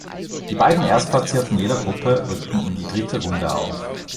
Die beiden Erstplatzierten jeder Gruppe rückten in die dritte Runde auf.